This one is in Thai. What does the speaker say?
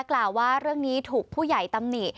กล่าวว่าเรื่องนี้ถูกผู้ใหญ่ตำหนิ